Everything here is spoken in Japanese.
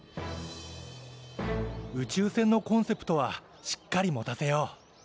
宇宙船のコンセプトはしっかり持たせよう。